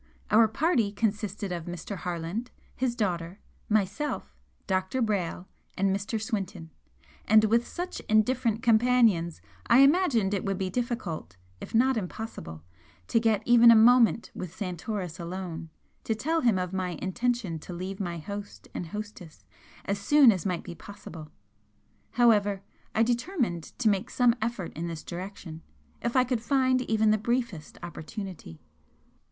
Our party consisted of Mr. Harland, his daughter, myself, Dr. Brayle and Mr. Swinton, and with such indifferent companions I imagined it would be difficult, if not impossible, to get even a moment with Santoris alone, to tell him of my intention to leave my host and hostess as soon as might be possible. However, I determined to make some effort in this direction, if I could find even the briefest opportunity.